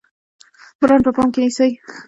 برانډ په پام کې نیسئ؟